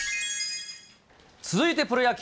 続いてプロ野球。